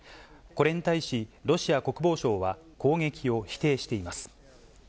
これに対し、ロシア国防省は攻撃を否定しています。